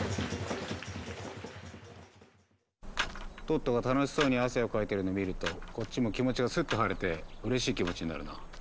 トットが楽しそうに汗をかいてるのを見るとこっちも気持ちがスッと晴れてうれしい気持ちになるな。